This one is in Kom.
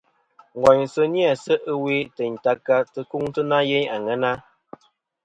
Ngòynsɨ ni-æ se' ɨwe tèyn tɨ ka tɨkuŋtɨ na yeyn àŋena.